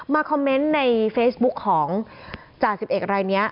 มาคอมเมนต์ในเฟซบุ๊คของจ่า๑๑อะไรเนี่ย